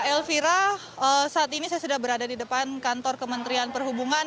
elvira saat ini saya sudah berada di depan kantor kementerian perhubungan